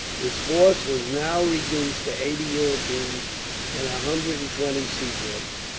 His force was now reduced to eighty Europeans, and a hundred and twenty Sepoys.